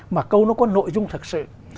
mà câu nó có nội dung thực sự